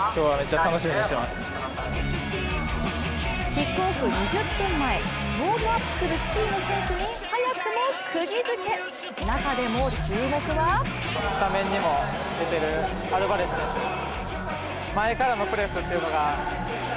キックオフ２０分前ウォームアップするシティの選手に早くもくぎづけ、中でも注目は平野流佳注目のアルバレスはスタメン出場です。